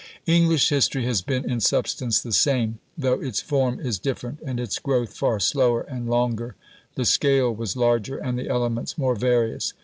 English history has been in substance the same, though its form is different, and its growth far slower and longer. The scale was larger, and the elements more various.